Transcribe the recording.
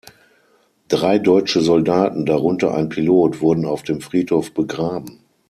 Drei deutsche Soldaten, darunter ein Pilot, wurden auf dem Friedhof begraben.